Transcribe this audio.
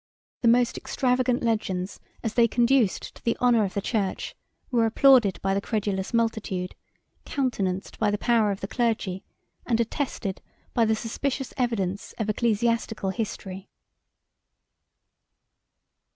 The most extravagant legends, as they conduced to the honor of the church, were applauded by the credulous multitude, countenanced by the power of the clergy, and attested by the suspicious evidence of ecclesiastical history.